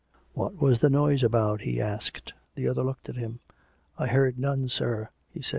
" What was the noise about ?" he asked. The other looked at him. " I heard none, sir," he said.